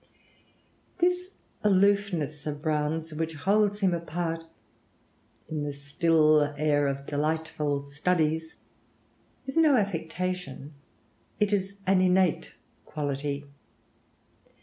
This aloofness of Browne's, which holds him apart "in the still air of delightful studies," is no affectation; it is an innate quality.